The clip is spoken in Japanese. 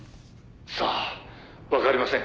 「さあわかりません」